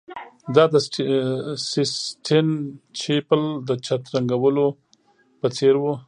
دا د سیسټین چیپل د چت د رنګولو په څیر و